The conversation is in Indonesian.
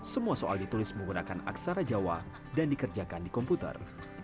semua soal ditulis menggunakan aksara jawa dan dikerjakan di komputer